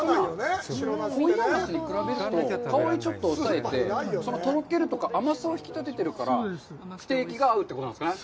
この夏ですと、香りをちょっと抑えて、そのとろけるとか、甘さを引き立ててるから、ステーキが合うってことなんですかね。